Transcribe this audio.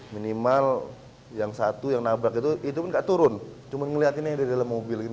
minimal yang satu yang nabrak itu itu enggak turun cuman ngeliatinnya di dalam mobil ini